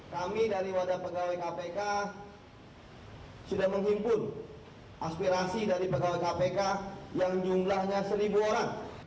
kami dari wadah pegawai kpk sudah menghimpun aspirasi dari pegawai kpk yang jumlahnya seribu orang